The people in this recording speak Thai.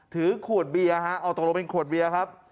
ถือขวดเบียร์ฮะเอาตกลงเป็นขวดเบียร์ครับ